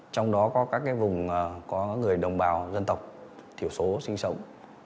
trong đó có các vùng có người đồng bào dân tộc thiểu số sinh sống